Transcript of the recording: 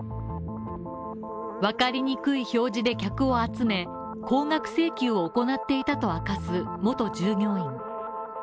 わかりにくい表示で客を集め、高額請求を行っていたと明かす元従業員。